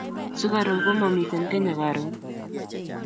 Sukaruk ko mamiten kenya karun